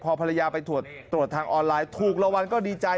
พอภรรยาไปตรวจทางออนไลน์ถูกรางวัลก็ดีใจ